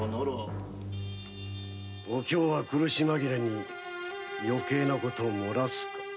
お京は苦し紛れに余計な事をもらすか。